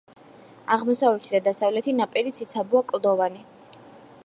აღმოსავლეთი და დასავლეთი ნაპირი ციცაბოა, კლდოვანი.